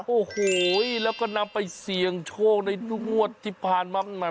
โอ้โหแล้วก็นำไปเสี่ยงโชคในทุกงวดที่ผ่านมา